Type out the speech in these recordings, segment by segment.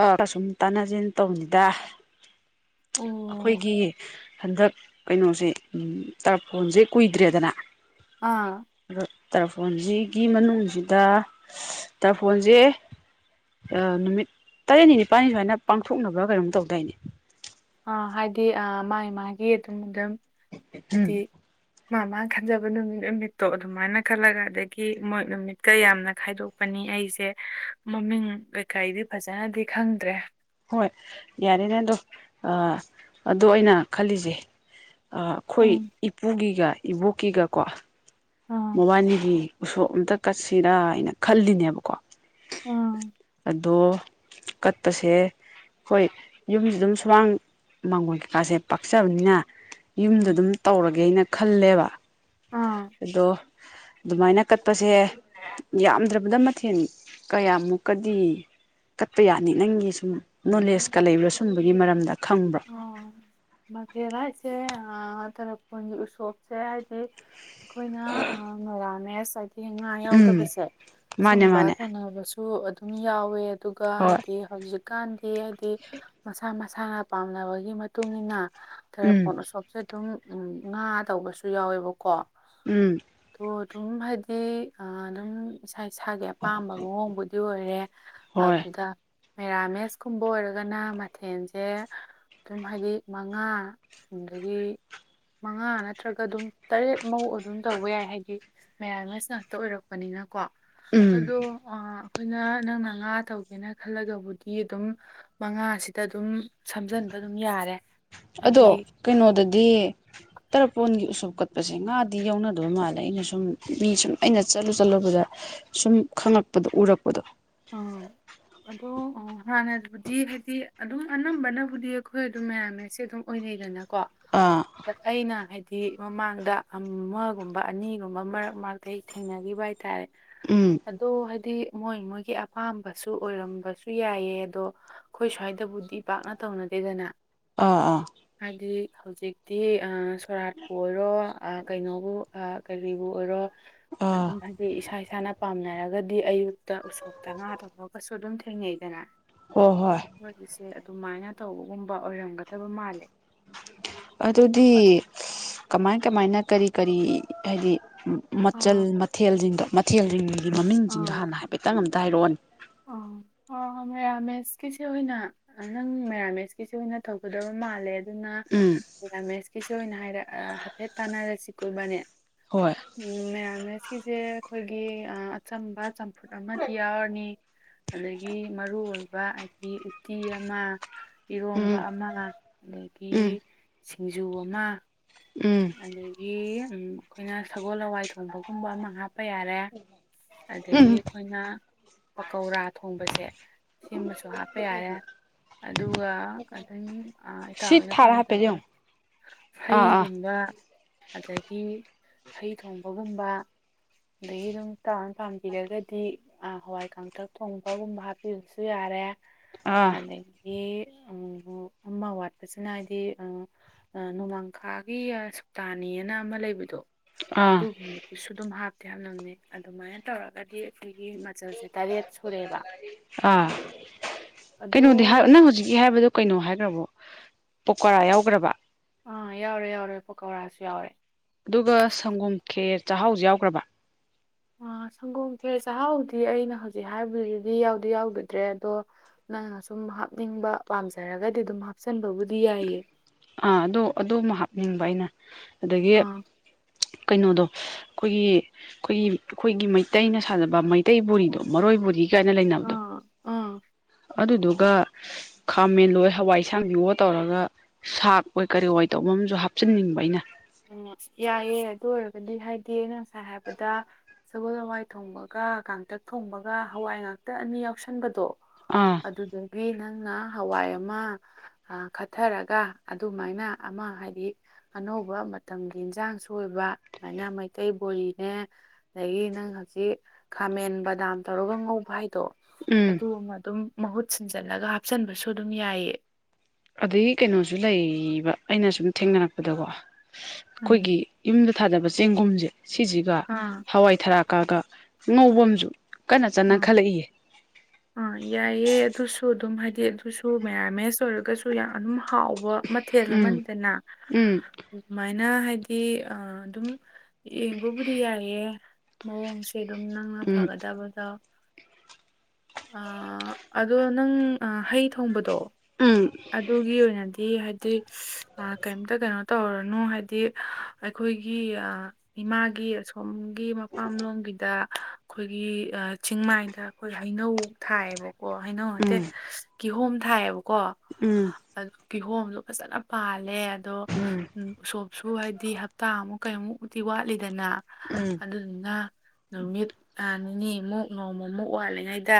ꯑ ꯑꯁꯨꯝ ꯇꯥꯟꯅꯖꯦ ꯇꯧꯕꯅꯤꯗ ꯑꯣ ꯑꯩꯈꯣꯏꯒꯤ ꯍꯟꯗꯛ ꯀꯩꯅꯣꯁꯦ ꯇ꯭ꯔꯄꯣꯟꯖꯦ ꯀꯨꯏꯗ꯭ꯔꯦꯗꯅ ꯑꯥ ꯑ ꯗꯣ ꯇꯔꯐꯣꯟꯁꯤꯒꯤ ꯃꯅꯨꯡꯖꯤꯗ ꯇꯔꯐꯣꯟꯖꯦ ꯅꯨꯃꯤꯠ ꯇ꯭ꯔꯦꯠꯅꯤ ꯅꯤꯄꯥꯜꯅꯤ ꯁꯨꯃꯥꯏꯅ ꯄꯥꯡꯊꯣꯛꯅꯕ ꯀꯩꯅꯣꯝ ꯇꯧꯗꯥꯏꯅꯤ ꯑꯥ ꯍꯥꯏꯗꯤ ꯑ ꯃꯥ ꯃꯥꯒꯤ ꯑꯗꯨꯝ ꯑꯗꯨꯝ ꯍꯥꯏꯗꯤ ꯎꯝ ꯃꯥ ꯃꯥꯅ ꯈꯟꯖꯕ ꯅꯨꯃꯤꯠ ꯅꯨꯃꯤꯠꯇꯣ ꯑꯗꯨꯃꯥꯏꯅ ꯈꯜꯂꯒ ꯑꯗꯒꯤ ꯃꯣꯏ ꯅꯨꯃꯤꯠꯀ ꯌꯥꯝꯅ ꯈꯥꯏꯗꯣꯛ ꯄꯅꯤ ꯑꯩꯖꯦ ꯃꯃꯤꯡ ꯀꯩꯀꯩꯗꯤ ꯐꯖꯅꯗꯤ ꯈꯪꯗ꯭ꯔꯦ ꯍꯣꯏ ꯌꯥꯔꯦꯅꯦ ꯑꯗꯣ ꯑꯗꯣ ꯑꯩꯅ ꯈꯜꯂꯤꯖꯦ ꯑꯩꯈꯣꯏ ꯎꯝ ꯏꯄꯨꯒꯤꯒ ꯏꯕꯣꯛꯀꯤꯒꯀꯣ ꯎ [unintelligible] [inaudible] ꯃꯕꯥꯟꯅꯤꯒꯤ ꯎꯁꯣꯞ ꯑꯝꯇ ꯀꯠꯁꯤꯔꯥ ꯍꯥꯏꯅ ꯈꯜꯂꯤꯅꯦꯕꯀꯣ ꯑ ꯑꯗꯣ ꯀꯠꯄꯁꯦ ꯑꯩꯈꯣꯏ ꯌꯨꯝꯁꯤ ꯑꯗꯨꯝ ꯁꯨꯃꯥꯡ ꯃꯥꯡꯒꯣꯟꯜ ꯀꯩꯀꯥꯁꯦ ꯄꯥꯛꯆꯕꯅꯤꯅ ꯌꯨꯝꯗ ꯎꯝ ꯑꯗꯨꯝ ꯇꯧꯔꯒꯦꯅ ꯈꯜꯂꯦꯕ ꯑꯥ [unintelligible] [inaudible] ꯑꯗꯣ ꯑꯗꯨꯃꯥꯏꯅ ꯀꯠꯄꯁꯦ ꯌꯥꯝꯗ꯭ꯔꯕꯗ ꯃꯊꯦꯜ ꯀꯌꯥꯃꯨꯛꯀꯗꯤ ꯀꯠꯄ ꯌꯥꯅꯤ ꯅꯪꯒꯤ ꯁꯨꯝ ꯅꯣꯂꯦꯖꯀ ꯂꯩꯕ꯭ꯔꯥ ꯁꯨꯝꯕꯒꯤ ꯃꯔꯝꯗ ꯈꯪꯕ꯭ꯔꯣ ꯑꯣ ꯃꯀꯦꯔ ꯍꯥꯏꯁꯦ ꯇꯔꯄꯣꯟꯒꯤ ꯎꯁꯣꯞꯁꯦ ꯍꯥꯏꯕꯗꯤ ꯑꯩꯈꯣꯏꯅ ꯃꯔꯥꯃꯦꯁ ꯍꯥꯏꯗꯤ ꯉꯥ ꯎꯝ ꯌꯥꯎꯗꯕꯁꯦ ꯃꯥꯅꯦ ꯁꯨꯝꯕ ꯃꯥꯅꯦ ꯇꯧꯅꯕꯁꯨ ꯁꯨ ꯑꯗꯨꯝ ꯌꯥꯎꯋꯦ ꯑꯗꯨꯒ ꯍꯣꯏ ꯍꯥꯏꯗꯤ ꯍꯧꯖꯤꯛꯀꯥꯟꯗꯤ ꯍꯥꯏꯗꯤ ꯃꯁꯥ ꯃꯁꯥꯅ ꯄꯥꯝꯅꯕꯒꯤ ꯃꯇꯨꯡ ꯃꯇꯨꯡꯏꯟꯅ ꯈꯔ ꯎꯝ ꯄꯣꯠꯅ ꯁ ꯁꯨ ꯑꯗꯨꯝ ꯉꯥ ꯇꯧꯕꯁꯨ ꯌꯥꯎꯋꯦꯕꯀꯣ ꯎꯝ ꯇꯣ ꯑꯗꯨꯝ ꯍꯥꯏꯗꯤ ꯑꯗꯨꯝ ꯏꯁꯥ ꯏꯁꯥꯒꯤ ꯑꯄꯥꯝꯕ ꯃꯑꯣꯡꯕꯨꯗꯤ ꯑꯣꯏꯔꯦ ꯍꯣꯏ ꯑꯗꯨꯗ ꯃꯦꯔꯥꯃꯦꯁꯀꯨꯝꯕ ꯑꯣꯏꯔꯒꯅ ꯃꯊꯦꯟꯁꯦ ꯁꯨꯝ ꯍꯥꯏꯗꯤ ꯃꯉꯥ ꯑꯗꯒꯤ ꯃꯉꯥ ꯅꯠꯇ꯭ꯔꯒ ꯑꯗꯨꯝ ꯇꯔꯦꯠ ꯃꯧ ꯑꯗꯨꯝ ꯇꯧꯕ ꯌꯥꯏ ꯍꯥꯏꯗꯤ ꯃꯌꯥꯝꯅꯁ ꯉꯥꯛꯇ ꯑꯣꯏꯔꯛꯄꯅꯤꯅꯀꯣ ꯎꯝ ꯑꯗꯣ ꯑ ꯑꯩꯈꯣꯏꯅ ꯅꯪꯅ ꯉꯥ ꯇꯧꯒꯦꯅ ꯈꯜꯂꯒꯕꯨꯗꯤ ꯑꯗꯨꯝ ꯃꯉꯥꯁꯤꯗ ꯑꯗꯨꯝ ꯁꯝꯖꯟꯕ ꯑꯗꯨꯝ ꯌꯥꯔꯦ ꯑꯗꯣ ꯍꯥꯏꯗꯤ ꯀꯩꯅꯣꯗꯗꯤ ꯇꯔꯄꯣꯟꯒꯤ ꯎꯁꯣꯞ ꯀꯠꯄꯁꯦ ꯉꯥꯗꯤ ꯌꯧꯅꯗꯕ ꯃꯥꯜꯂꯦ ꯑꯩꯅ ꯁꯨꯝ ꯃꯤ ꯁꯨꯝ ꯑꯩꯅ ꯆꯠꯂꯨ ꯆꯠꯂꯨꯕꯗ ꯁꯨꯝ ꯈꯪꯉꯛꯄꯗꯣ ꯎꯔꯛꯄꯗꯣ ꯑꯝ ꯑꯗꯣ ꯍꯥꯟꯅꯕꯨꯗꯤ ꯍꯥꯏꯗꯤ ꯑꯗꯨꯝ ꯑꯅꯝꯕꯅꯕꯨꯗꯤ ꯑꯩꯈꯣꯏ ꯑꯗꯨꯝ ꯃꯌꯥꯝꯃꯦꯁꯦ ꯑꯗꯨꯝ ꯑꯣꯏꯅꯩꯗꯅꯀꯣ ꯑꯥ ꯑꯩꯅ ꯍꯥꯏꯗꯤ ꯃꯃꯥꯡꯗ ꯑꯃꯒꯨꯝꯕ ꯑꯅꯤꯒꯨꯝꯕ ꯃꯔꯛ ꯃꯔꯛꯇ ꯑꯩ ꯊꯦꯡꯅꯈꯤꯕ ꯍꯥꯏꯇꯥꯔꯦ ꯎꯝ ꯑꯗꯣ ꯍꯥꯏꯗꯤ ꯃꯣꯏ ꯃꯣꯏꯒꯤ ꯑꯄꯥꯝꯕꯁꯨ ꯑꯣꯏꯔꯝꯕꯁꯨ ꯌꯥꯏꯑ ꯑꯗꯣ ꯑꯩꯈꯣꯏ ꯁ꯭ꯋꯥꯏꯗꯕꯨꯗꯤ ꯄꯥꯛꯅ ꯇꯧꯅꯗꯦꯗꯅ ꯑꯥ ꯑꯥ ꯍꯥꯏꯗꯤ ꯍꯧꯖꯤꯛꯇꯤ ꯁꯣꯔꯥꯠꯄꯨ ꯑꯣꯏꯔꯣ ꯀꯩꯅꯣꯕꯨ ꯀꯔꯤꯕꯨ ꯑꯣꯏꯔꯣ ꯑꯥ ꯑꯗꯨꯝ ꯍꯥꯏꯗꯤ ꯏꯁꯥ ꯏꯁꯥꯅ ꯄꯥꯝꯅꯔꯒꯗꯤ ꯑꯌꯨꯛꯇ ꯎꯁꯣꯛ ꯇ ꯉꯥꯗꯐꯥꯎꯒꯁꯨ ꯑꯗꯨꯝ ꯊꯦꯡꯅꯩꯗꯅ ꯍꯣꯏ ꯍꯣꯏ ꯋꯥꯔꯤꯁꯦ ꯑꯗꯨꯃꯥꯏꯅ ꯇꯧꯕꯒꯨꯝꯕ ꯑꯣꯏꯔꯝꯒꯗꯕ ꯃꯥꯜꯂꯦ ꯑꯗꯨꯗꯤ ꯀꯃꯥꯏ ꯀꯃꯥꯏꯅ ꯀꯔꯤ ꯀꯔꯤ ꯍꯥꯏꯗꯤ ꯎ ꯃꯆꯜ ꯑꯥ ꯃꯊꯦꯜꯁꯤꯡꯗꯣ ꯃꯊꯦꯜꯁꯤꯡꯒꯤ ꯃꯃꯤꯡꯁꯤꯡꯗꯣ ꯍꯥꯟꯅ ꯍꯥꯏꯐꯦꯠꯇꯪ ꯑꯝꯇ ꯍꯥꯏꯔꯛꯑꯣꯅꯦ ꯑ ꯑꯣ ꯃꯦꯔꯥꯃꯦꯁꯀꯤꯁꯤꯦ ꯑꯣꯏꯅ ꯅꯪ ꯃꯦꯔꯥꯃꯦꯁꯀꯤꯁꯤꯦ ꯑꯣꯏꯅ ꯇꯧꯒꯗꯕ ꯃꯥꯜꯂꯦ ꯑꯗꯨꯅ ꯎꯝ ꯄꯦꯔꯥꯃꯦꯁꯀꯤꯁꯨ ꯑꯣꯏꯅ ꯍꯥꯏꯔ ꯍꯥꯏꯐꯦꯠ ꯇꯥꯟꯅꯔꯁꯤ ꯀꯣꯏꯕꯅꯦ ꯍꯣꯏ ꯃꯦꯔꯥꯃꯦꯁꯀꯤꯁꯦ ꯑꯩꯈꯣꯏꯒꯤ ꯑꯆꯝꯕ ꯆꯝꯐꯨꯠ ꯑꯃꯗꯤ ꯌꯥꯎꯔꯅꯤ ꯑꯗꯒꯤ ꯃꯔꯨ ꯑꯣꯏꯕ ꯑꯩꯗꯤ ꯎꯇꯤ ꯑꯃ ꯏꯔꯣꯝꯕ ꯎꯝ ꯑꯃ ꯑꯗꯒꯤ ꯎꯝ ꯁꯤꯡꯖꯨ ꯑꯃ ꯎꯝ ꯑꯗꯒꯤ ꯑꯩꯈꯣꯏꯅ ꯁꯒꯣꯜ ꯍꯋꯥꯏ ꯊꯣꯟꯕꯒꯨꯝꯕ ꯑꯃ ꯍꯥꯞꯄ ꯌꯥꯔꯦ ꯑꯗꯒꯤ ꯎꯝ ꯑꯩꯈꯣꯏꯅ ꯄꯀꯧꯔꯥ ꯊꯣꯡꯕꯁꯦ ꯁꯤꯃꯁꯨ ꯍꯥꯞꯄ ꯌꯥꯔꯦ ꯑꯗꯨꯒ ꯑꯗꯨꯝ ꯏꯇꯥꯎ ꯁꯤ ꯍꯣꯏꯅ ꯊꯥꯔ ꯍꯥꯏꯐꯦꯠ ꯄꯥꯝꯖꯕ ꯌꯦꯡꯉꯣ ꯍꯩ ꯑꯥ ꯑꯥ ꯕ ꯑꯗꯒꯤ ꯍꯩ ꯊꯣꯡꯕꯒꯨꯝꯕ ꯑꯗꯒꯤ ꯑꯗꯨꯝ ꯇꯥꯎꯟ ꯄꯥꯝꯕꯤꯔꯒꯗꯤ ꯑ ꯍꯋꯥꯏ ꯀꯥꯡꯥꯡꯊꯛ ꯊꯣꯡꯕꯒꯨꯝꯕ ꯍꯥꯞꯄꯤꯕꯁꯨ ꯌꯥꯔꯦ ꯑꯥ ꯑꯗꯒꯤ ꯑꯃ ꯋꯥꯠꯄꯁꯤꯅ ꯍꯥꯏꯗꯤ ꯅꯣꯡꯃꯥꯡꯈꯥ ꯒꯤ ꯁꯨꯇꯥꯅꯤꯅ ꯑꯃ ꯂꯩꯕꯗꯣ ꯑꯥ ꯑꯗꯨꯒꯤ ꯁꯨ ꯑꯗꯨꯝ ꯍꯥꯞꯇꯦ ꯌꯥꯝ ꯅꯪꯅꯤ ꯑꯗꯨꯃꯥꯏꯅ ꯇꯧꯔꯒꯗꯤ ꯑꯩꯈꯣꯏꯒꯤ ꯃꯆꯜꯁꯦ ꯇꯔꯦꯠ ꯁꯨꯔꯦꯕ ꯑꯥ ꯑꯗꯣ ꯀꯩꯅꯣꯗꯤ ꯅꯪ ꯍꯧꯖꯤꯛꯀꯤ ꯍꯥꯏꯕꯗꯣ ꯀꯩꯅꯣ ꯍꯥꯏꯈ꯭ꯔꯕꯣ ꯄꯀꯧꯔꯥ ꯌꯥꯎꯈ꯭ꯔꯕ ꯑꯥ ꯌꯥꯎꯔꯦ ꯌꯥꯎꯔꯦ ꯄꯀꯧꯔꯥꯁꯨ ꯌꯥꯎꯔꯦ ꯑꯗꯨꯒ ꯍꯥꯏꯗꯤ ꯁꯪꯒꯣꯝ ꯈꯦꯔ ꯆꯥꯛꯍꯥꯎꯁꯨ ꯌꯥꯎꯈ꯭ꯔꯕ ꯑ ꯁꯪꯒꯣꯝ ꯈꯦꯔ ꯆꯥꯛꯍꯥꯎꯗꯤ ꯑꯩꯅ ꯍꯧꯖꯤꯛ ꯍꯥꯏꯕꯗꯨꯗꯤ ꯌꯥꯎꯗꯤ ꯌꯥꯎꯗ꯭ꯔꯦ ꯑꯗꯣ ꯅꯪꯅ ꯁꯨꯝ ꯍꯥꯞꯅꯤꯡꯕ ꯄꯥꯝꯖꯔꯒꯗꯤ ꯑꯗꯨꯝ ꯍꯥꯞꯆꯟꯕꯕꯨꯗꯤ ꯌꯥꯏꯌꯦ ꯑꯥ ꯑꯗꯨ ꯑꯗꯨ ꯑꯃ ꯍꯥꯞꯅꯤꯡꯕ ꯑꯩꯅ ꯑꯗꯒꯤ ꯑꯥ ꯀꯩꯅꯣꯗꯣ ꯑꯩꯈꯣꯏꯒꯤ ꯑꯩꯈꯣꯏꯒꯤ ꯑꯩꯈꯣꯏꯒꯤ ꯃꯩꯇꯩꯅ ꯁꯥꯖꯕ ꯃꯩꯇꯩ ꯕꯣꯔꯤꯗꯣ ꯃꯔꯣꯏ ꯕꯣꯔꯤ ꯀ ꯀꯥꯏꯅ ꯂꯩꯅꯕꯗꯣ ꯑꯥ ꯑꯥ ꯑꯗꯨꯗꯨꯒ ꯈꯥ ꯃꯦꯟꯂꯣꯏ ꯍꯋꯥꯏ ꯑꯥꯁꯥꯡꯕꯤꯑꯣ ꯌꯣꯠ ꯇꯧꯔꯒ ꯁꯥꯛ ꯑꯣꯏ ꯀꯔꯤ ꯑꯣꯏ ꯇꯧꯕꯝꯨ ꯍꯥꯞꯆꯤꯟꯅꯤꯡꯕ ꯑꯩꯅ ꯎꯝ ꯌꯥꯏꯑꯌꯦ ꯑꯗꯨ ꯑꯣꯏꯔꯒꯗꯤ ꯍꯥꯏꯗꯤ ꯑꯩꯅ ꯉꯁꯥꯏ ꯍꯥꯏꯕꯗ ꯁꯒꯣꯜ ꯍꯋꯥꯏ ꯊꯣꯡꯕꯒ ꯀꯥꯡꯥꯡꯇꯛ ꯊꯣꯡꯕꯒ ꯍꯋꯥꯏ ꯉꯥꯛꯇꯛ ꯑꯅꯤ ꯌꯥꯎꯁꯟꯕꯗꯣ ꯑꯥ ꯑꯗꯨꯗꯒꯤ ꯅꯪꯅ ꯍꯋꯥꯏ ꯑꯃ ꯑ ꯈꯠꯊꯔꯒ ꯑꯗꯨꯃꯥꯏꯅ ꯑꯃ ꯍꯥꯏꯗꯤ ꯑꯅꯧꯕ ꯃꯇꯝꯒꯤ ꯏꯟꯁꯥꯡꯁꯨ ꯑꯣꯏꯕ ꯑꯗꯨꯃꯥꯏꯅ ꯃꯩꯇꯩ ꯕꯣꯂꯤꯅꯦ ꯑꯗꯒꯤ ꯅꯪ ꯍꯧꯖꯤꯛ ꯈꯥꯃꯦꯟ ꯕꯗꯥꯝ ꯇꯧꯔꯒ ꯉꯧꯕ ꯍꯥꯏꯗꯣ ꯎꯝ ꯑꯗꯨ ꯑꯃ ꯑꯗꯨꯝ ꯃꯍꯨꯠ ꯁꯤꯟꯖꯜꯂꯒ ꯍꯥꯞꯆꯟꯕꯁꯨ ꯑꯗꯨꯝ ꯌꯥꯏꯑ ꯑꯗꯗꯒꯤ ꯀꯩꯅꯣꯁꯨ ꯂꯩꯕ ꯑꯩꯅ ꯁꯨꯝ ꯊꯦꯡꯅꯔꯛꯄꯗꯀꯣ ꯎꯝ ꯑꯩꯈꯣꯏꯒꯤ ꯌꯨꯝꯗ ꯊꯥꯗꯕ ꯆꯦꯡꯒꯨꯝꯁꯦ ꯁꯤꯁꯤꯒ ꯑꯥ ꯍꯋꯥꯏ ꯊꯔꯥꯛꯀꯒ ꯉꯧꯕꯝꯁꯨ ꯀꯟꯅ ꯆꯅ ꯎꯝ ꯈꯜꯂꯛꯏꯌꯦ ꯑꯥ ꯌꯥꯏꯌꯦꯦ ꯑꯗꯨꯁꯨ ꯑꯗꯨꯝ ꯍꯥꯏꯗꯤ ꯑꯗꯨꯁꯨ ꯃꯦꯔꯥꯃꯦꯁ ꯑꯣꯏꯔꯒꯁꯨ ꯌꯥꯝ ꯑꯗꯨꯝ ꯍꯥꯎꯕ ꯃꯊꯦꯜ ꯎꯝ ꯑꯃꯥꯟꯅꯤꯗꯅ ꯎꯝ ꯑꯗꯨꯃꯥꯏꯅ ꯍꯥꯏꯗꯤ ꯑꯗꯨꯝ ꯌꯦꯡꯕꯕꯨꯗꯤ ꯌꯥꯏꯌꯦ ꯃꯑꯣꯡꯁꯦ ꯁꯦ ꯑꯗꯨꯝ ꯅꯪꯅ ꯎꯝ ꯐꯒꯗꯕꯗꯣ ꯑꯗꯣ ꯑ ꯅꯪ ꯍꯩ ꯊꯣꯡꯕꯗꯣ ꯑꯝ ꯑꯗꯨꯒꯤ ꯑꯣꯏꯅꯗꯤ ꯍꯥꯏꯗꯤ ꯀꯩꯝꯇ ꯀꯩꯅꯣ ꯇꯧꯍꯔꯅꯨ ꯍꯥꯏꯗꯤ ꯑꯩꯈꯣꯏꯒꯤ ꯏꯃꯥꯒꯤ ꯑꯁꯣꯝꯒꯤ ꯃꯄꯥꯝꯂꯣꯝꯒꯤꯗ ꯑꯩꯈꯣꯏꯒꯤ ꯆꯤꯡꯃꯥꯏꯗ ꯑꯩꯈꯣꯏ ꯍꯩꯅꯧ ꯊꯥꯏꯌꯦꯕꯀꯣ ꯍꯩꯅꯧ ꯅꯠꯇꯦ ꯎꯝ ꯀꯤꯍꯣꯝ ꯊꯥꯏꯌꯦꯕꯀꯣ ꯎꯝ ꯑꯗꯣ ꯀꯤꯍꯣꯝꯗꯣ ꯐꯖꯅ ꯄꯥꯜꯂꯦ ꯑꯗꯣ ꯎꯝ ꯎ ꯎꯁꯣꯞꯁꯨ ꯍꯥꯏꯗꯤ ꯇꯥꯃꯨꯛ ꯀꯩꯃꯨꯛꯃꯨꯛꯇꯤ ꯋꯥꯠꯂꯤꯗꯅ ꯎꯝ ꯑꯗꯨꯗꯨꯅ ꯅꯨꯃꯤꯠ ꯅꯤꯅꯤꯃꯨꯛ ꯅꯣꯡꯃꯃꯨꯛ ꯋꯥꯠꯂꯤꯉꯩꯗ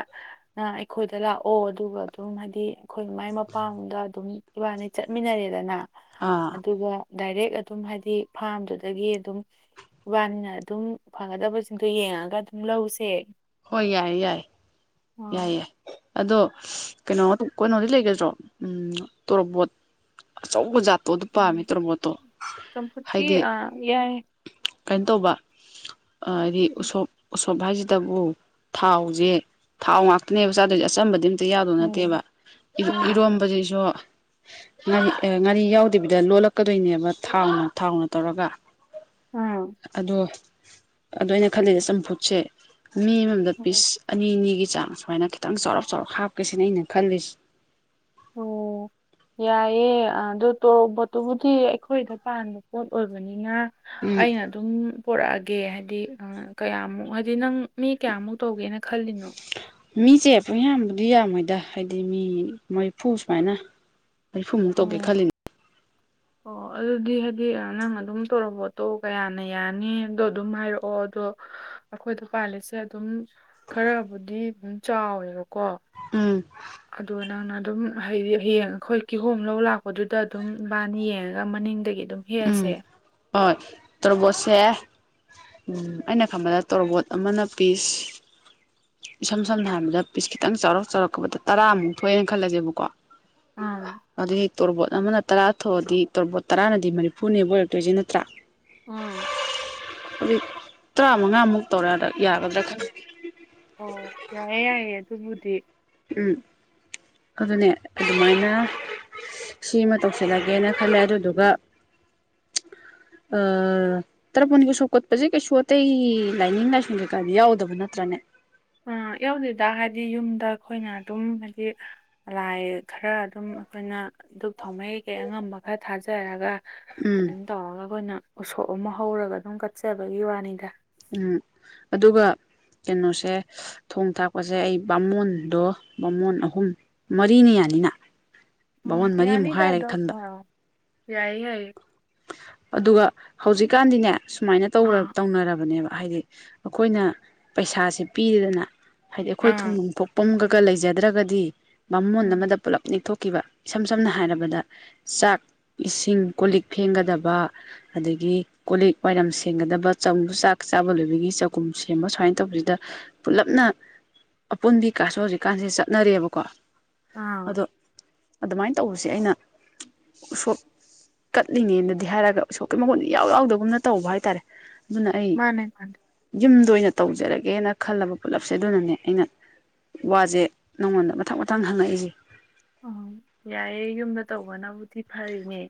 ꯅ ꯑꯩꯈꯣꯏꯗ ꯂꯥꯛꯑꯣ ꯑꯗꯨꯒ ꯑꯗꯨꯝ ꯍꯥꯏꯗꯤ ꯑꯩꯈꯣꯏ ꯃꯥꯏ ꯃꯄꯥꯝꯗ ꯑꯗꯨꯝ ꯏꯕꯥꯅꯤ ꯆꯠꯃꯤꯟꯅꯔꯦꯗꯅ ꯑꯥ [unintelligible] [inaudible] ꯑꯗꯨꯒ ꯗꯥꯏꯔꯦꯛ ꯑꯗꯨꯝ ꯍꯥꯏꯗꯤ ꯐꯥꯔꯝꯗꯨꯗꯒꯤ ꯑꯗꯨꯝ ꯋꯥꯅꯤꯅ ꯑꯗꯨꯝ ꯐꯪꯒꯗꯕꯁꯤꯡꯗꯣ ꯌꯦꯡꯉꯒ ꯑꯗꯨꯝ ꯂꯧꯁꯦ ꯍꯣꯏ ꯌꯥꯏ ꯌꯥꯏ ꯑꯥ ꯌꯥꯏꯌꯦ ꯑꯗꯣ ꯀꯩꯅꯣ ꯀꯩꯅꯣꯗꯤ ꯂꯩꯒꯗ꯭ꯔꯣ ꯎꯝ ꯇꯣꯔꯣꯕꯣꯠ ꯑꯆꯧꯕ ꯖꯥꯠꯇꯣ ꯑꯗꯨ ꯄꯥꯝꯃꯦ ꯎꯝ ꯇ꯭ꯔ ꯕꯣꯠꯇꯣ ꯍꯥꯏꯗꯤ ꯆꯝꯐꯨꯠꯀꯤ ꯑꯥ ꯌꯥꯏ ꯀꯩꯅꯣ ꯇꯧꯕ ꯍꯥꯏꯗꯤ ꯎꯝ ꯎꯁꯣꯞꯁ ꯎꯁꯣꯞ ꯍꯥꯏꯁꯤꯇꯕꯨ ꯊꯥꯎꯖꯦ ꯊꯥꯎ ꯉꯥꯛꯇꯅꯦꯕ ꯆꯥꯗꯣꯏꯁꯦ ꯑꯆꯝꯕꯗꯤ ꯌꯥꯗꯣ ꯎꯝ ꯅꯠꯇꯦꯕ ꯎꯝ ꯏꯔꯣꯝꯕꯁꯤꯁꯨ ꯉꯥꯔꯤ ꯉꯥꯔꯤ ꯌꯥꯎꯗꯕꯤꯗ ꯂꯣꯜꯂꯛꯀꯗꯣꯏꯅꯦꯕ ꯊꯥꯎꯅ ꯊꯥꯎꯅ ꯇꯧꯔꯒ ꯑꯥ ꯑꯗꯣ ꯑꯗꯣ ꯑꯩꯅ ꯈꯜꯂꯁꯦ ꯆꯝꯐꯨꯠꯁꯦ ꯃꯤ ꯑꯃꯝꯗ ꯄꯤꯁ ꯑꯅꯤ ꯑꯅꯤꯒꯤ ꯆꯥꯡ ꯁꯨꯃꯥꯏꯅ ꯈꯤꯇꯪ ꯆꯥꯎꯔꯞ ꯆꯥꯎꯔꯞ ꯍꯥꯞꯀꯦꯁꯤꯅ ꯑꯩꯅ ꯈꯜꯂꯤꯁꯦ ꯑꯣ ꯌꯥꯏꯌꯦ ꯑꯗꯨꯜ ꯇꯣ ꯄꯣꯠꯇꯨꯕꯨꯗꯤ ꯑꯩꯈꯣꯏꯗ ꯄꯥꯟꯕ ꯄꯣꯠ ꯑꯣꯏꯕꯅꯤꯅ ꯑꯩꯅ ꯑꯗꯨꯝ ꯄꯣꯔꯛꯑꯒꯦ ꯍꯥꯏꯗꯤ ꯀꯌꯥꯃꯨꯛ ꯍꯥꯏꯗꯤ ꯅꯪ ꯃꯤ ꯀꯌꯥꯃꯨꯛ ꯇꯧꯒꯦꯅ ꯈꯜꯂꯤꯅꯣ ꯃꯤꯁꯦꯄꯌꯥꯝꯕꯨꯗꯤ ꯌꯥꯝꯃꯣꯏꯗ ꯍꯥꯏꯗꯤ ꯃꯤ ꯃꯔꯤꯐꯨ ꯁꯨꯃꯥꯏꯅ ꯃꯔꯤꯐꯨ ꯃꯨꯛ ꯇꯧꯒꯦ ꯑꯣ ꯈꯜꯂꯤꯅꯦ [inaudible] ꯑꯣ ꯑꯗꯨꯗꯤ ꯍꯥꯏꯗꯤ ꯅꯪ ꯑꯗꯨꯝ ꯇꯧꯔ ꯄꯣꯠꯇꯣ ꯀꯌꯥꯅ ꯌꯥꯅꯤ ꯑꯗꯣ ꯑꯗꯨꯝ ꯍꯥꯏꯔꯛꯑꯣ ꯑꯗꯣ ꯑꯩꯈꯣꯏꯗ ꯄꯥꯜꯂꯤꯁꯦ ꯑꯗꯨꯝ ꯈꯔꯕꯨꯗꯤ ꯑꯗꯨꯝ ꯆꯥꯎꯋꯦꯕꯀꯣ ꯎꯝ ꯑꯗꯨꯒ ꯅꯪꯅ ꯑꯗꯨꯝ ꯍꯥꯏꯗꯤ ꯍꯌꯦꯡ ꯑꯩꯈꯣꯏ ꯀꯤꯍꯣꯝ ꯂꯧ ꯂꯥꯛꯄꯗꯨꯗ ꯑꯗꯨꯝ ꯏꯕꯥꯅ ꯌꯦꯡꯉꯒ ꯃꯅꯤꯡꯗꯒꯤ ꯑꯗꯨꯝ ꯌꯦꯜꯁꯦ ꯑ [unintelligible] [inaudible] ꯇꯣꯔꯕꯣꯠꯁꯦ ꯑꯩꯅ ꯈꯟꯕꯗ ꯇꯣꯔꯕꯣꯠ ꯑꯃꯅ ꯄꯤꯁ ꯏꯁꯝ ꯁꯝꯅ ꯍꯥꯏꯔꯕꯗ ꯄꯤꯁ ꯈꯤꯇꯪ ꯆꯥꯎꯔꯛ ꯆꯥꯎꯔꯛꯕꯗ ꯇꯔꯥꯃꯨꯛ ꯊꯣꯛꯑꯦꯅ ꯈꯜꯂꯁꯦꯕꯀꯣ ꯑꯥ ꯑꯗꯨ ꯍ ꯇꯣꯔꯕꯣꯠ ꯑꯃꯅ ꯇꯔꯥ ꯊꯣꯛꯑꯗꯤ ꯇꯣꯔꯕꯣꯠ ꯇꯔꯥꯅꯗꯤ ꯃꯔꯤꯐꯨꯅꯦꯕ ꯑꯣꯏꯔꯛꯇꯣꯏꯁꯤ ꯅꯠꯇ꯭ꯔꯥ ꯎꯝ ꯑꯝ ꯇꯔꯥꯃꯉꯥꯃꯨꯛ ꯇꯧꯔꯑꯗ ꯌꯥꯒꯗ꯭ꯔꯥ ꯈꯪꯗꯦ ꯑꯣ ꯌꯥꯏꯌꯦ ꯌꯥꯏꯌꯦ ꯑꯗꯨꯕꯨꯗꯤ ꯎꯝ ꯑꯗꯨꯅꯦ ꯑꯗꯨꯃꯥꯏꯅ ꯁꯤꯃ ꯇꯧꯁꯤꯜꯂꯒꯦꯅ ꯈꯜꯂꯦ ꯑꯗꯨꯗꯨꯒ [unintelligible] [inaudible] ꯑ ꯇꯔꯄꯣꯟꯒꯤ ꯎꯁꯣꯞ ꯀꯠꯄꯁꯦ ꯀꯩꯁꯨ ꯑꯇꯩ ꯂꯥꯏꯅꯤꯡ ꯂꯥꯏꯁꯣꯟ ꯀꯩꯀꯥꯗꯤ ꯌꯥꯎꯗꯕ ꯅꯠꯇ꯭ꯔꯅꯦ ꯑ ꯌꯧꯗꯦꯗ ꯍꯥꯏꯗꯤ ꯌꯨꯝꯗ ꯑꯩꯈꯣꯏꯅ ꯑꯗꯨꯝ ꯍꯥꯏꯗꯤ ꯂꯥꯏ ꯈꯔ ꯑꯗꯨꯝ ꯑꯩꯈꯣꯏꯅ ꯗꯨꯛ ꯊꯥꯎꯃꯩ ꯀꯩ ꯑꯉꯝꯕ ꯈꯔ ꯊꯥꯖꯔꯒ ꯎꯝ ꯑꯗꯨꯝ ꯇꯧꯔꯒ ꯑꯩꯈꯣꯏꯅ ꯎꯁꯣꯞ ꯑꯃ ꯍꯧꯔꯒ ꯑꯗꯨꯝ ꯀꯠꯆꯕꯒꯤ ꯋꯥꯅꯤꯗ ꯎꯝ ꯑꯗꯨꯒ ꯀꯩꯅꯣꯁꯦ ꯊꯣꯡ ꯊꯥꯛꯄꯁꯦ ꯑꯩ ꯕꯥꯃꯣꯟꯗꯣ ꯕꯥꯃꯣꯟ ꯑꯍꯨꯝ ꯃꯔꯤꯅ ꯌꯥꯅꯤꯅ ꯎꯝ ꯕꯥꯃꯣꯟ ꯃꯔꯤꯃꯨꯛ ꯌꯥꯅꯤ ꯍꯥꯏꯔꯒꯦ ꯗꯗꯣ ꯈꯟꯕ ꯑ ꯌꯥꯏ ꯌꯥꯏ ꯑꯗꯨꯒ ꯍꯧꯖꯤꯛꯀꯥꯟꯗꯤꯅꯦ ꯁꯨꯃꯥꯏꯅꯧ ꯑꯥ ꯇꯧꯅꯔꯕꯅꯦꯕ ꯍꯥꯏꯗꯤ ꯑꯩꯈꯣꯏꯅ ꯄꯩꯁꯥꯁꯦ ꯄꯤꯗꯅ ꯍꯥꯏꯗꯤ ꯑꯩꯈꯣꯏ ꯊꯣꯡ ꯑꯥ ꯅꯅꯨꯡꯊꯣꯛ [inaudible] ꯄꯨꯝꯒꯒ ꯂꯩꯖꯗ꯭ꯔꯒꯗꯤ ꯃꯃꯣꯟ ꯎꯝ ꯑꯃꯗ ꯄꯨꯂꯞ ꯅꯤꯊꯣꯛ ꯀꯈꯤꯕ ꯏꯁꯝ ꯁꯝꯅ ꯍꯥꯏꯔꯕꯗ ꯆꯥꯛ ꯏꯁꯤꯡ ꯀꯣ ꯂꯤꯛ ꯐꯦꯡꯒꯗꯕ ꯑꯗꯒꯤ ꯀꯣꯂꯤꯛ ꯋꯥꯏꯔꯝ ꯁꯦꯝꯒꯗꯕ ꯆꯨ ꯆꯥꯛ ꯆꯥꯕ ꯂꯣꯏꯕꯒꯤ ꯆꯥꯛꯈꯨꯝ ꯁꯦꯝꯕ ꯁꯨꯃꯥꯏꯅ ꯇꯧꯕꯁꯤꯗ ꯄꯨꯂꯞꯅ ꯑꯄꯨꯟꯕꯤ ꯀꯥꯁꯨ ꯍꯧꯖꯤꯛꯀꯥꯟꯁꯦ ꯆꯠꯅꯔꯦꯕꯀꯣ ꯑꯥ ꯑꯗꯣ ꯑꯗꯨꯃꯥꯏꯅ ꯇꯧꯕꯁꯦ ꯑꯩꯅ ꯎꯁꯣꯞ ꯀꯠꯂꯤꯉꯦꯅꯗꯤ ꯍꯥꯏꯔꯒ ꯎꯁꯣꯞꯀꯤ ꯃꯒꯨꯟ ꯏꯎ ꯌꯥꯎꯗꯒꯨꯝꯅ ꯇꯧꯕ ꯍꯥꯏꯇꯥꯔꯦ ꯑꯗꯨꯅ ꯑꯩ ꯃꯥꯅꯦ ꯃꯥꯅꯦ ꯌꯨꯝꯗ ꯑꯣꯏꯅ ꯇꯧꯖꯔꯒꯦꯅ ꯈꯜꯂꯕ ꯄꯨꯜꯂꯞꯁꯦ ꯑꯗꯨꯅꯅꯦ ꯑꯩꯅ ꯋꯥꯁꯦ ꯅꯪꯉꯣꯟꯗ ꯃꯊꯪ ꯃꯊꯪ ꯍꯪꯉꯛꯏꯁꯦ ꯑ ꯌꯥꯏꯌꯦ ꯌꯨꯝꯗ ꯇꯧꯕꯅꯕꯨꯗꯤ ꯐꯔꯤꯅꯦ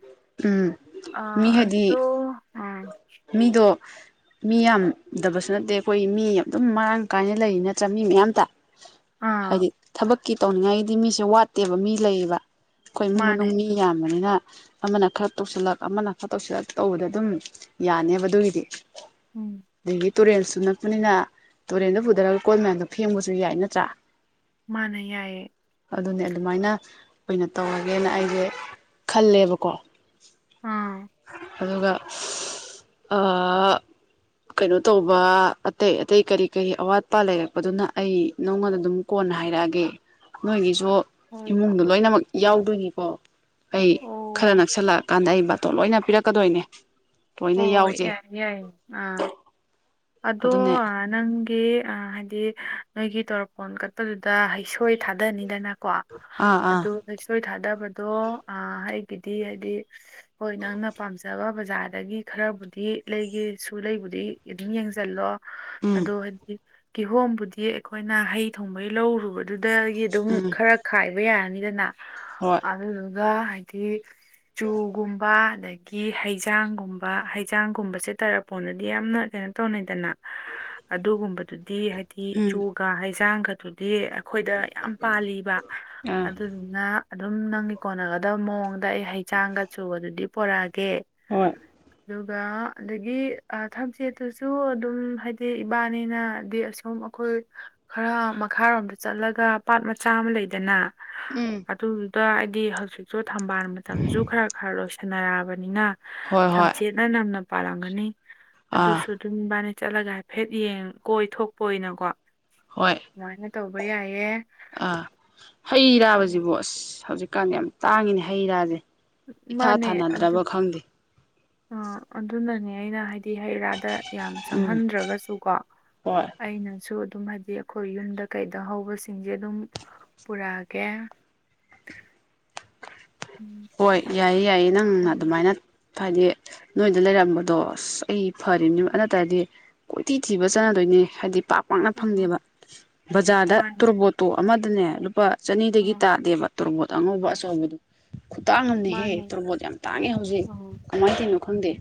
ꯎꯝ ꯑ ꯃꯤ ꯍꯥꯏꯗꯤ ꯑꯗꯣ ꯑ ꯃꯤꯗꯣ ꯃꯤ ꯌꯥꯝꯗꯕꯁꯨ ꯅꯠꯇꯦ ꯑꯩꯈꯣꯏ ꯃꯤ ꯑꯗꯨꯝ ꯃꯔꯥꯡ ꯀꯥꯏꯅ ꯂꯩꯔꯤ ꯅꯠꯇ꯭ꯔꯥ ꯃꯤ ꯃꯌꯥꯝꯇ ꯑꯥ ꯍꯥꯏꯗꯤ ꯊꯕꯛꯀꯤ ꯇꯧꯅꯤꯡꯉꯥꯏꯒꯤꯗꯤ ꯃꯤꯁꯦ ꯋꯥꯠꯇꯦꯕ ꯃꯤ ꯂꯩꯌꯦꯕ ꯑꯩꯈꯣꯏ ꯏꯃꯨꯡ ꯃꯅꯨꯡ ꯃꯥꯅꯦ ꯃꯤ ꯌꯥꯝꯕꯅꯤꯅ ꯑꯃꯅ ꯈꯔ ꯇꯧꯁꯤꯜꯂꯛ ꯑꯃꯅ ꯈꯔ ꯇꯧꯁꯤꯜꯂꯛ ꯇꯧꯕꯗ ꯑꯗꯨꯝ ꯌꯥꯅꯦꯕ ꯑꯗꯨꯒꯤꯗꯤ ꯎꯝ ꯑꯗꯒꯤ ꯇꯨꯔꯦꯜꯁꯨ ꯅꯛꯄꯅꯤꯅ ꯇꯨꯔꯦꯜꯗ ꯄꯨꯗꯔꯒ ꯀꯣꯜ ꯃꯌꯥꯝꯗꯣ ꯐꯦꯡꯕꯁꯨ ꯌꯥꯏ ꯅꯠꯇ꯭ꯔꯥ ꯃꯥꯅ ꯌꯥꯏꯌꯦ ꯑꯗꯨꯅꯦ ꯑꯗꯨꯃꯥꯏꯅ ꯑꯣꯏꯅ ꯇꯧꯔꯒꯦꯅ ꯑꯩꯁꯦ ꯈꯜꯂꯦꯕꯀꯣ ꯑꯥ ꯑꯗꯨꯒ ꯑ ꯀꯩꯅꯣ ꯇꯧꯕ ꯑꯇꯩ ꯑꯇꯩ ꯀꯔꯤ ꯀꯔꯤ ꯑꯋꯥꯠ ꯑꯄꯥ ꯂꯩꯔꯛꯄꯗꯨꯅ ꯑꯩ ꯅꯪꯉꯣꯟꯗ ꯑꯗꯨꯝ ꯀꯣꯟꯅ ꯍꯥꯏꯔꯛꯑꯒꯦ ꯅꯣꯏꯒꯤꯁꯨ ꯍꯣꯏ ꯏꯃꯨꯡꯗꯣ ꯎꯝ ꯂꯣꯏꯅꯃꯛ ꯌꯥꯎꯗꯣꯏꯅꯤꯀꯣ ꯑꯩ ꯈꯔ ꯑꯣ ꯅꯛꯁꯜꯂꯛꯑ ꯀꯥꯟꯗ ꯑꯩ ꯕꯥꯠ ꯇꯣꯟ ꯂꯣꯏꯅ ꯄꯤꯔꯛꯀꯗꯣꯏꯅꯦ ꯂꯣꯏꯅ ꯍꯣꯏ ꯌꯥꯎꯖꯦ ꯌꯥꯏ ꯌꯥꯏ ꯑ ꯑꯗꯣ ꯑꯗꯨꯅꯦ ꯑ ꯅꯪꯗꯤ ꯍꯥꯏꯗꯤ ꯅꯣꯏꯒꯤ ꯇꯣꯔꯄꯣꯟ ꯀꯠꯄꯗꯨꯗ ꯍꯩꯁꯣꯏ ꯊꯥꯗꯅꯤꯗꯅ ꯀꯣ ꯑꯥ ꯑꯥ ꯑꯗꯨ ꯍꯩꯁꯣꯏ ꯊꯥꯗꯕꯗꯣ ꯑ ꯑꯩꯒꯤꯗꯤ ꯍꯥꯏꯗꯤ ꯍꯣꯏ ꯅꯪꯅ ꯄꯥꯝꯖꯕ ꯕꯖꯥꯔꯗꯒꯤ ꯈꯔꯕꯨꯗꯤ ꯂꯩꯒꯦꯁꯨ ꯂꯩꯕꯨꯗꯤ ꯏꯠ ꯑꯗꯨꯝ ꯌꯦꯡꯁꯤꯜꯂꯣ ꯎꯝ ꯑꯗꯣ ꯍꯥꯏꯗꯤ ꯀꯤꯍꯣꯝꯕꯨꯗꯤ ꯑꯩꯈꯣꯏꯅ ꯍꯩ ꯊꯣꯡꯕꯩ ꯂꯧꯔꯨꯕ ꯑꯗꯨꯗꯒꯤ ꯑꯗꯨꯝ ꯎꯝ ꯈꯔ ꯈꯥꯏꯕ ꯌꯥꯔꯅꯤꯗꯅ ꯍꯣꯏ ꯑꯗꯨꯗꯨꯒ ꯍꯥꯏꯗꯤ ꯆꯨꯒꯨꯝꯕ ꯑꯗꯒꯤ ꯀꯤ ꯍꯩꯖꯥꯡꯒꯨꯝꯕ ꯍꯩꯖꯥꯡꯒꯨꯝꯕꯁꯦ ꯇꯔꯄꯣꯟꯗꯗꯤ ꯌꯥꯝꯅ ꯀꯩ ꯀꯩꯅꯣ ꯇꯧꯅꯩꯗꯅ ꯑꯗꯨꯒꯨꯝꯕꯗꯨꯗꯤ ꯍꯥꯏꯗꯤ ꯎꯝ ꯆꯨ ꯀ ꯍꯩꯖꯥꯡꯒꯗꯨꯗꯤ ꯑꯩꯈꯣꯏꯗ ꯌꯥꯝ ꯄꯥꯜꯂꯤꯕ ꯑꯥ ꯑꯗꯨꯗꯨꯅ ꯑꯗꯨꯝ ꯅꯪꯒꯤ ꯀꯣꯟꯅꯒꯗꯕ ꯃꯑꯣꯡꯗ ꯑꯩ ꯍꯩꯖꯥꯡꯒ ꯆꯨꯒꯗꯨꯗꯤ ꯄꯣꯔꯛꯑꯒꯦ ꯍꯣꯏ ꯑꯗꯨꯒ ꯑꯗꯒꯤ ꯑ ꯊꯝꯆꯦꯠ ꯑꯗꯨꯁꯨ ꯑꯗꯨꯝ ꯍꯥꯏꯗꯤ ꯏꯕꯥꯏꯅꯤꯅꯗꯤ ꯑꯁꯨꯝ ꯑꯩꯈꯣꯏ ꯈꯔ ꯃꯈꯥꯔꯣꯝꯗ ꯆꯠꯂꯒ ꯄꯥꯠ ꯃꯆꯥ ꯑꯃ ꯂꯩꯗꯅ ꯎꯝ ꯑꯗꯨꯗꯨꯗ ꯍꯥꯏꯗꯤ ꯍꯧꯖꯤꯛꯁꯨ ꯊꯝꯕꯥꯜ ꯃꯇꯝꯖꯨ ꯈꯔ ꯈꯔ ꯂꯣꯏꯁꯤꯜ ꯅꯔꯛꯑꯕꯅꯤꯅ ꯍꯣꯏ ꯍꯣꯏ ꯊꯝꯆꯦꯠꯅ ꯅꯝꯅ ꯄꯥꯜꯂꯝꯒꯅꯤ ꯑꯥ ꯑꯗꯨꯁꯨ ꯑꯗꯨꯝ ꯏꯕꯥꯅꯤ ꯆꯠꯂꯒ ꯍꯥꯏꯐꯦꯠ ꯌꯦꯡ ꯀꯣꯏ ꯊꯣꯛꯄ ꯑꯣꯏꯅꯀꯣ ꯍꯣꯏ ꯑꯗꯨꯃꯥꯏꯅ ꯇꯧꯕ ꯌꯥꯏꯌꯦ ꯑ ꯍꯩ ꯔꯥ ꯑ ꯕꯁꯤꯕꯨ ꯑꯁ ꯍꯧꯖꯤꯛꯀꯥꯟꯗꯤ ꯌꯥꯝ ꯇꯥꯡꯉꯤꯅꯦ ꯍꯩ ꯔꯥꯁꯦ ꯏꯊꯥ ꯃꯥꯅꯦ ꯑꯗꯨ ꯊꯥꯅꯗꯔꯕ ꯈꯪꯗꯦ ꯑ ꯑꯗꯨꯅꯅꯦ ꯑꯩꯅ ꯍꯥꯏꯗꯤ ꯍꯩ ꯔꯥꯗ ꯌꯥꯝ ꯎꯝ ꯆꯪꯍꯟꯗ꯭ꯔꯒꯁꯨ ꯀꯣ ꯍꯣꯏ ꯑꯩꯅ ꯁꯨ ꯑꯗꯨꯝ ꯍꯥꯏꯗꯤ ꯑꯩꯈꯣꯏ ꯌꯨꯝꯗ ꯀꯩꯗ ꯍꯧꯕꯁꯤꯡꯖꯦ ꯑꯗꯨꯝ ꯄꯨꯔꯛꯑꯒꯦ ꯎꯝ ꯍꯣꯏ ꯌꯥꯏꯌꯦ ꯌꯥꯏꯌꯦ ꯅꯪꯅ ꯎꯝ ꯑꯗꯨꯃꯥꯏꯅ ꯍꯥꯏꯗꯤ ꯅꯣꯏꯗ ꯂꯩꯔꯝꯕꯗꯣ ꯑꯁ ꯑꯩ ꯐꯔꯤꯅꯤ ꯅꯠꯇꯔꯗꯤ ꯀꯣꯏꯇꯤ ꯊꯤꯕ ꯆꯠꯅꯗꯣꯏꯅꯤ ꯍꯥꯏꯗꯤ ꯄꯥꯛ ꯄꯥꯛꯅ ꯎꯝ ꯐꯪꯗꯦꯕ ꯕꯖꯥꯔꯗ ꯃꯥꯅꯤ ꯇꯣꯔꯣꯕꯣꯠꯇꯣ ꯑꯃꯗꯅꯦ ꯂꯨꯄꯥ ꯆꯅꯤꯗꯒꯤ ꯎꯝ ꯇꯥꯗꯦꯕ ꯇꯣꯔꯣꯕꯣꯠ ꯑꯉꯧꯕ ꯑꯆꯧꯕꯗꯣ ꯈꯨꯇꯥꯡ ꯑꯃꯅꯤꯍꯦ ꯃꯥꯅꯦ ꯇꯣꯔꯕꯣꯠ ꯌꯥꯝ ꯇꯥꯡꯉꯦ ꯍꯧꯖꯤꯛ ꯎꯝ ꯀꯃꯥꯏꯅ ꯇꯧꯔꯤꯅꯣ ꯈꯪꯗꯦ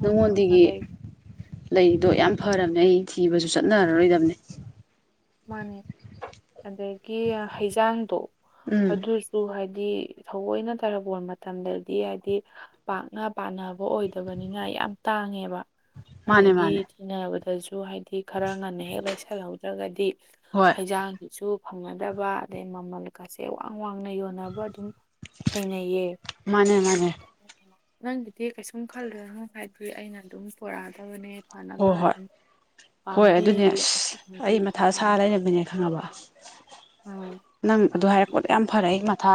ꯎꯝ ꯅꯉꯣꯟꯗꯒꯤ ꯑꯗꯒꯤ ꯂꯩꯗꯣ ꯌꯥꯝ ꯐꯔꯕꯅꯦ ꯑꯩ ꯊꯤꯕꯁꯨ ꯆꯠꯅꯔꯔꯣꯏꯗꯕꯅꯦ ꯃꯥꯅꯦ ꯑꯗꯒꯤ ꯍꯩꯖꯥꯡꯗꯣ ꯎꯝ ꯑꯗꯨꯁꯨ ꯍꯥꯏꯗꯤ ꯊꯑꯣꯏꯅ ꯇꯥꯔꯄꯣꯟ ꯃꯇꯝꯗꯗꯤ ꯍꯥꯏꯗꯤ ꯄꯥꯛꯅ ꯄꯥꯅꯕ ꯑꯣꯏꯗꯕꯅꯤꯅ ꯌꯥꯝ ꯇꯥꯡꯉꯦꯕ ꯃꯥꯅꯦ ꯑꯗꯒꯤ ꯃꯥꯅꯦ ꯊꯤꯅꯕꯗꯁꯨ ꯍꯥꯏꯗꯤ ꯈꯔ ꯉꯟꯅ ꯍꯦꯛ ꯂꯩꯁꯜꯍꯧꯗ꯭ꯔꯒꯗꯤ ꯍꯣꯏ ꯍꯩꯖꯥꯡꯁꯤꯁꯨ ꯐꯪꯅꯗꯕ ꯑꯗꯩ ꯃꯃꯜꯀꯥꯁꯦ ꯋꯥꯡ ꯋꯥꯡꯅ ꯌꯣꯟꯅꯕ ꯑꯗꯨꯝ ꯊꯦꯡꯅꯩꯌꯦ ꯃꯥꯅꯦ ꯃꯥꯅꯦ ꯅꯪꯒꯤꯗꯤ ꯀꯩꯁꯨꯝ ꯈꯜꯂꯨꯔꯅꯨ ꯍꯥꯏꯕꯗꯤ ꯑꯩꯅ ꯑꯗꯨꯝ ꯄꯨꯔꯛꯑꯗꯕꯅꯦ ꯐꯅꯕ ꯍꯣꯏ ꯍꯣꯏ ꯑꯗꯨꯝ ꯍꯣꯏ ꯄꯥꯝꯕꯤ ꯑꯗꯨꯅꯦ ꯑꯁ ꯑꯩ ꯑ ꯃꯊꯥ ꯁꯥ ꯂꯩꯔꯝꯃꯤꯅꯦ ꯈꯪꯉꯕ ꯎꯝ ꯅꯪ ꯑꯗꯨ ꯍꯥꯏꯔꯛꯄꯗ ꯌꯥꯝ ꯐꯔꯦ ꯑꯩ ꯃꯊꯥ